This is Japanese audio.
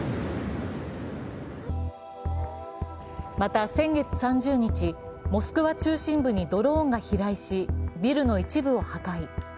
また先月３０日、モスクワ中心部にドローンが飛来し、ビルの一部を破壊。